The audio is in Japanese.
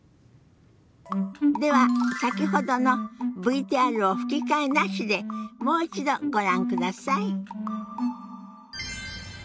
では先ほどのＶＴＲを吹き替えなしでもう一度ご覧ください。